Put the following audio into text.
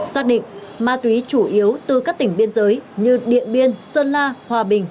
xác định ma túy chủ yếu từ các tỉnh biên giới như điện biên sơn la hòa bình